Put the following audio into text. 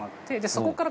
そこから。